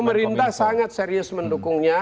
pemerintah sangat serius mendukungnya